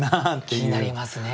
気になりますね。